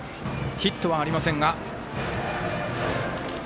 ヒットはありませんが。